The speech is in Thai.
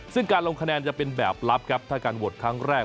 ซึ่งการลงคะแนนจะเป็นแบบลับครับถ้าการโหวตครั้งแรก